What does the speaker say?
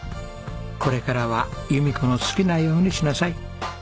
「これからは弓子の好きなようにしなさい」。